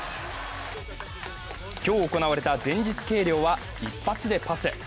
今日行われた前日計量は一発でパス。